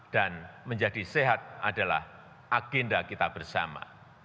dan menjadi sehat adalah agenda kita bersama